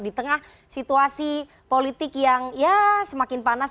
di tengah situasi politik yang ya semakin panas